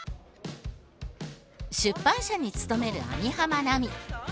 出版社に勤める網浜奈美。